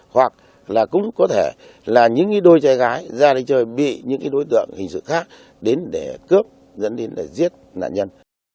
hoặc là cũng có thể là những đôi trai gái ra đây chơi bị những đối tượng hình sự khác đến để cướp dẫn đến để giết nạn nhân